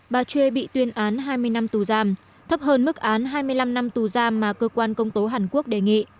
bà chuê bị tuyên án hai mươi năm tù giam thấp hơn mức án hai mươi năm năm tù giam mà cơ quan công tố hàn quốc đề nghị